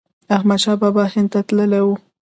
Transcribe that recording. احمد شاه بابا هند ته تللی و.